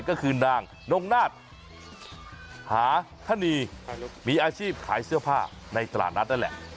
ก็คือนางนงนาฏหาธนีมีอาชีพขายเสื้อผ้าในตลาดนัดนั่นแหละ